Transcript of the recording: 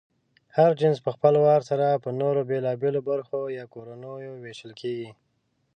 هر جنس پهخپل وار سره په نورو بېلابېلو برخو یا کورنیو وېشل کېږي.